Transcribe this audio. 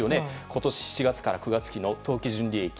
今年７月から９月期の当期純利益